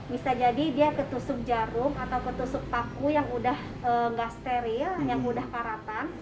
bisa jadi dia ketusuk jarum atau ketusuk paku yang udah gak steril yang mudah karatan